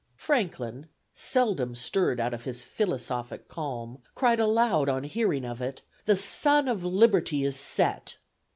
Franklin, seldom stirred out of his philosophic calm, cried aloud on hearing of it, "The sun of liberty is set!"